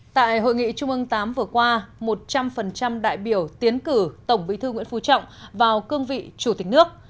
tại hội nghị trung ương viii vừa qua một trăm linh đại biểu tiến cử tổng bí thư nguyễn phú trọng vào cương vị chủ tịch nước